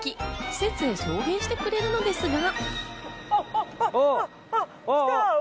施設へ送迎してくれるのですが。